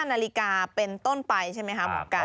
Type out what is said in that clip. นาฬิกาเป็นต้นไปใช่ไหมคะหมอไก่